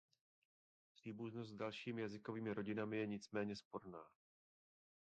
Příbuznost s dalšími jazykovými rodinami je nicméně sporná.